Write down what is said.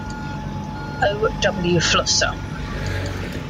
O. W. Flusser.